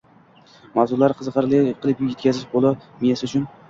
mavzularni qiziqarli qilib yetkazish bola miyasi uchun